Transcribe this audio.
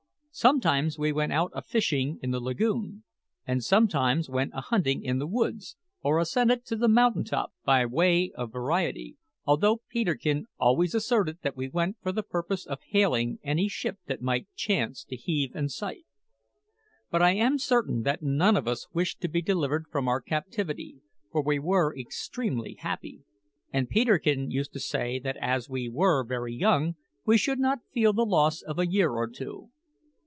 Sometimes we went out a fishing in the lagoon, and sometimes went a hunting in the woods, or ascended to the mountain top by way of variety, although Peterkin always asserted that we went for the purpose of hailing any ship that might chance to heave in sight. But I am certain that none of us wished to be delivered from our captivity, for we were extremely happy; and Peterkin used to say that as we were very young, we should not feel the loss of a year or two.